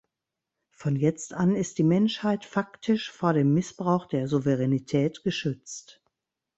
Von jetzt an ist die Menschheit faktisch vor dem Missbrauch der Souveränität geschützt.